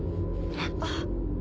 あっ！